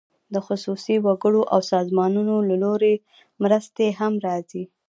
د خصوصي وګړو او سازمانونو له لوري مرستې هم راځي.